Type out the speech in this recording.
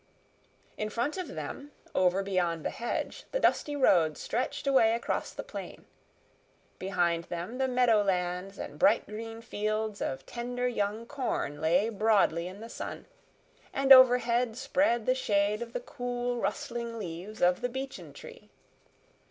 In front of them, over beyond the hedge, the dusty road stretched away across the plain; behind them the meadow lands and bright green fields of tender young corn lay broadly in the sun, and overhead spread the shade of the cool, rustling leaves of the beechen tree.